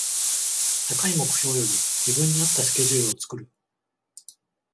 高い目標より自分に合ったスケジュールを作る